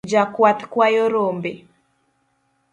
Jakwath kwayo rombe